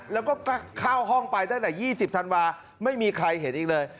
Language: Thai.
แล้วก็เข้าห้องไปตั้งแต่๒๐ธันวาไม่มีใครเห็นอีกเลย